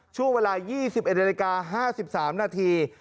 ช่วงเวลา๒๑นาฬิกา๕๓นาที